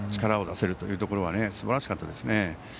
力を出せるというところはすばらしかったですね。